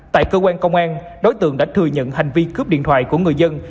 tại cơ quan công an đối tượng đã thừa nhận hành vi cướp điện thoại của người dân